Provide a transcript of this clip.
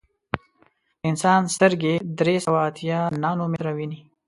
د انسان سترګې درې سوه اتیا نانومیټره ویني.